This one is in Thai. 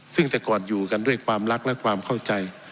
ซึ่งแต่ก่อนอยู่กันด้วยความรักและความเข้าใจ